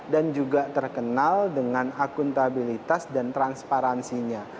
dan juga terkenal dengan akuntabilitas dan transparansinya